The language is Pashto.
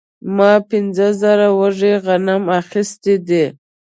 ما پنځه زره وږي غنم اخیستي دي